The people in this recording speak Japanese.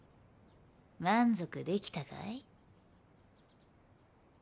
満足できたかい？